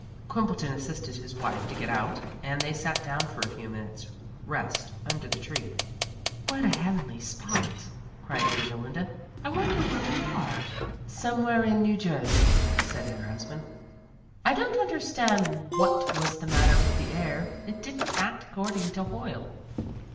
Quimbleton assisted his wife to get out, and they sat down for a few minutes' rest under the tree. "What a heavenly spot!" cried Theodolinda, "I wonder where we are?" "Somewhere in New Jersey," said her husband. "I don't understand what was the matter with the air. It didn't act according to Hoyle."